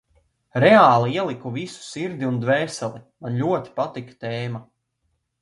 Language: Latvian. Reāli ieliku visu sirdi un dvēseli – man ļoti patika tēma.